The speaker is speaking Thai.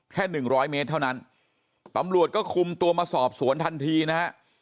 แค่๑๐๐เมตรเท่านั้นตำรวจก็คุมตัวมาสอบสวนทันทีนะครับ